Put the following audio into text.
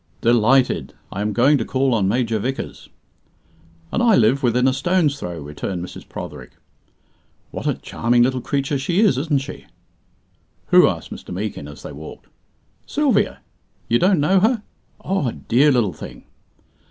"Delighted! I am going to call on Major Vickers." "And I live within a stone's throw," returned Mrs. Protherick. "What a charming little creature she is, isn't she?" "Who?" asked Mr. Meekin, as they walked. "Sylvia. You don't know her! Oh, a dear little thing."